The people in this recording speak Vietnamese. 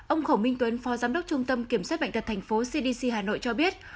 ông khổng minh tuấn phó giám đốc trung tâm kiểm soát bệnh tật thành phố cdc hà nội cho biết